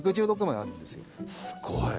すごい！